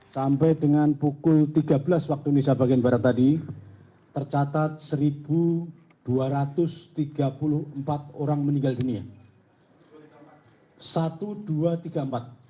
sampai dengan pukul tiga belas waktu indonesia bagian barat tadi tercatat satu dua ratus tiga puluh empat orang meninggal dunia